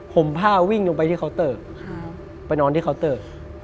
ผ้าวิ่งลงไปที่เคาน์เตอร์ไปนอนที่เคาน์เตอร์